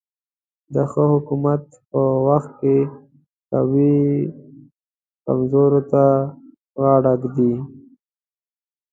د ښه حکومت په وخت کې قوي کمزورو ته غاړه ږدي.